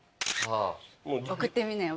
送ってみなよ。